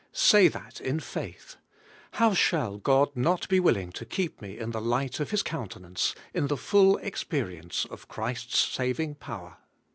Say that in faith. "How shall God not be willing to keep me in the light of His countenance, in the full experience of Christ's saving power?